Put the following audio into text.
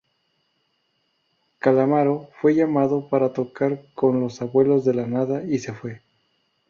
Calamaro fue llamado para tocar con Los abuelos de la nada y se fue.